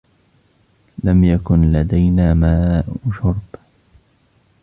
لم يكن لدينا ماء شرب.